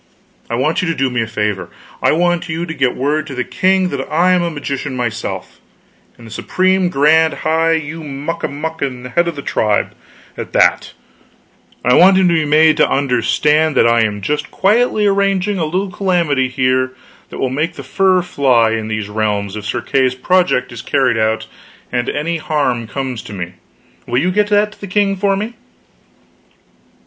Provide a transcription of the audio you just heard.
I want you to do me a favor. I want you to get word to the king that I am a magician myself and the Supreme Grand High yu Muck amuck and head of the tribe, at that; and I want him to be made to understand that I am just quietly arranging a little calamity here that will make the fur fly in these realms if Sir Kay's project is carried out and any harm comes to me. Will you get that to the king for me?"